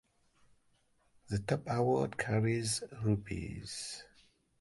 The top award carries Rs.